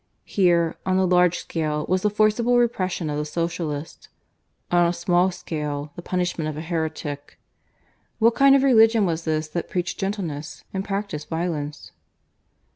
Here, on the large scale, was the forcible repression of the Socialists; on a small scale, the punishment of a heretic. What kind of religion was this that preached gentleness and practised violence?